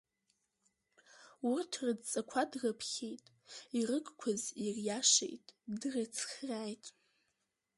Урҭ рыдҵақәа дрыԥхьеит, ирыгқәаз ириашеит, дрыцхрааит.